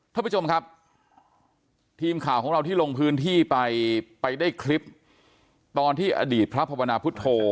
ท่านผู้ชมครับทีมข่าวของเราที่ลงพื้นที่ไปไปได้คลิป